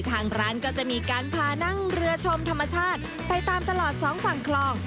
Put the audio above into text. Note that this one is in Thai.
ทางร้านก็จะมีการพานั่งเรือชมธรรมชาติไปตามตลอดสองฝั่งคลอง